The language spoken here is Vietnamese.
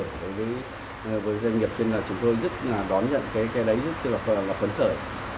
chúng tôi rất đón nhận cái đấy rất là phấn khởi